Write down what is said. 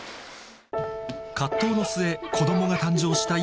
藤の末子供が誕生した